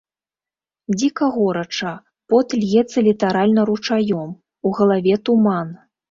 Дзіка горача, пот льецца літаральна ручаём, у галаве туман.